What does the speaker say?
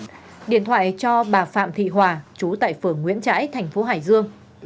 trình và quang đã bắt điện thoại cho bà phạm thị hòa chú tại phường nguyễn trãi thành phố hải dương